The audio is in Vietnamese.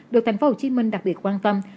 được thành phố hồ chí minh đặc biệt quan tâm